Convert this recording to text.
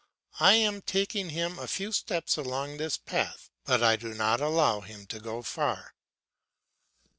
I am taking him a few steps along this path, but I do not allow him to go far.